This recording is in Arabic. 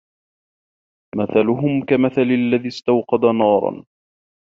مَثَلُهُمْ كَمَثَلِ الَّذِي اسْتَوْقَدَ نَارًا